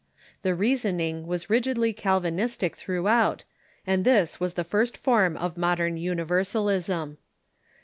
The reasoning was rigidly Calvinistic throughout, and this was the first form of modern Universal ism.